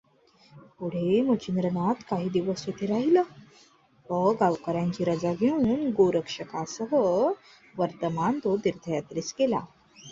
पुढे मच्छिंद्रनाथ काही दिवस तेथे राहिला व गावकऱ्यांची रजा घेऊन गोरक्षासहवर्तमान तो तीर्थयात्रेस गेला.